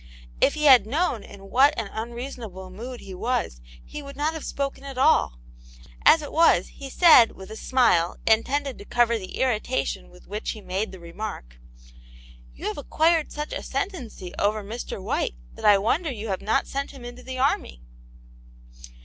If he had known in what an unreasonable mood he was, he would not have spoken at all ; as it was, he said, with a smile, intended to cover the irritation with which he made the remark : "You have acquired such ascendancy over Mr. White, that I wonder you have not sent him into the army."